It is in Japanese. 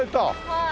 はい。